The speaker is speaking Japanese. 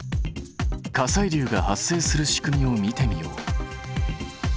火砕流が発生する仕組みを見てみよう。